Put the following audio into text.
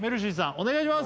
お願いします